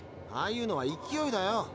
ああいうのは勢いだよ。